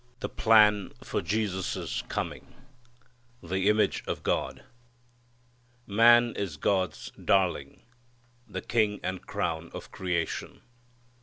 The Plan for Jesus' Coming The Image of God. Man is God's darling the king and crown of creation.